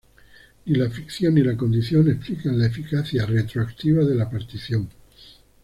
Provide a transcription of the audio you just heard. Ni la ficción ni la condición explican la eficacia retroactiva de la partición.